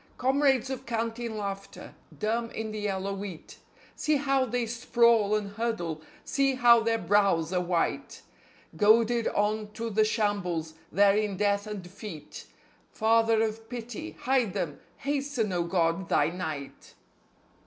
Comrades of canteen laughter, dumb in the yellow wheat. See how they sprawl and huddle! See how their brows are white! Goaded on to the shambles, there in death and defeat. ... Father of Pity, hide them! Hasten, O God, Thy night!